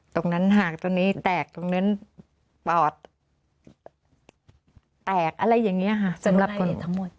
หากตรงนี้แตกตรงนั้นปอดแตกอะไรอย่างนี้ค่ะสำหรับคนทั้งหมด